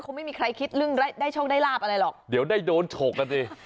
ไม่มีใครคิดเรื่องได้โชคได้ลาบอะไรหรอกเดี๋ยวได้โดนฉกกันสิ